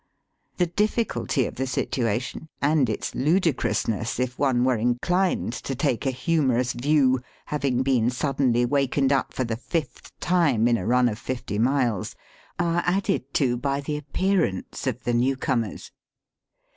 The difl&culty of the situation and its ludicrousness, if one were inclined to take a humorous view having been suddenly wakened up for the fifth time in a run of fifty miles, are added to by the appearance of the new comers.